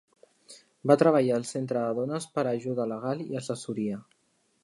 Va treballar al Centre de Dones per a ajuda legal i assessoria.